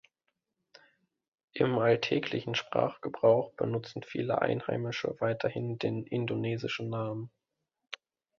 Im alltäglichen Sprachgebrauch benutzen viele Einheimische weiterhin den indonesischen Namen.